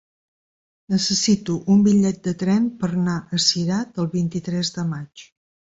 Necessito un bitllet de tren per anar a Cirat el vint-i-tres de maig.